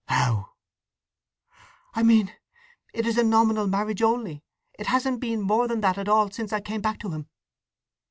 "How?" "I mean it is a nominal marriage only. It hasn't been more than that at all since I came back to him!"